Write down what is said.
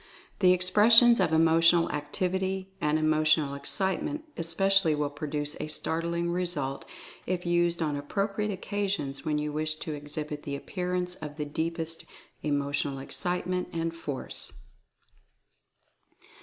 The Expressions of Emotional Activity and Emotional Ex citement especially will produce a startling result if used on appropriate occasions when you wish to ex hibit the appearance of the deepest Emotional Excite ment and Force.